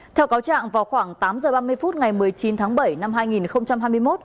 theo cáo trạng vào khoảng tám h ba mươi phút ngày một mươi chín tháng bảy năm hai nghìn hai mươi một